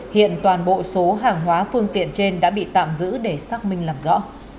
hiện toàn bộ số hàng hóa phương tiện trên đã bị tạm giữ để xác minh làm rõ